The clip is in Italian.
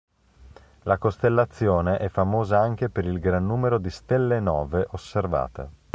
La costellazione è famosa anche per il gran numero di stelle novae osservate.